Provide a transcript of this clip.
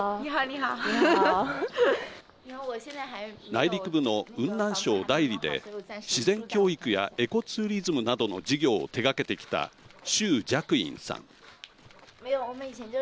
内陸部の雲南省大理で自然教育やエコツーリズムなどの事業を手がけてきた周若韻さん。